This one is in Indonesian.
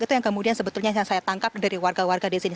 itu yang kemudian sebetulnya yang saya tangkap dari warga warga di sini